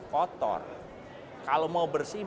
kotor kalau mau bersih